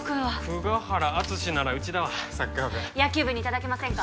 久我原篤史ならうちだわサッカー部野球部にいただけませんか？